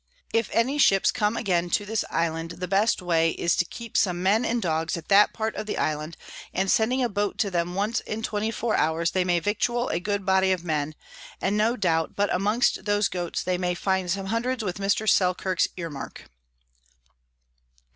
If any Ships come again to this Island, the best way is to keep some Men and Dogs at that part of the Island, and sending a Boat to them once in 24 hours they may victual a good Body of Men; and no doubt but amongst those Goats they may find some hundreds with Mr. Selkirk's Ear mark.